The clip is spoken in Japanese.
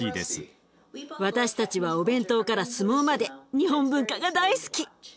私たちはお弁当から相撲まで日本文化が大好き。